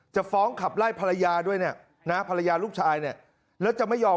จะฟ้องขับไล่ภรรยาด้วยเนี่ยนะภรรยาลูกชายเนี่ยแล้วจะไม่ยอม